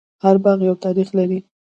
هر باغ یو تاریخ لري.